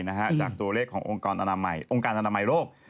จากตัวเลขขององค์การอนามัยโรค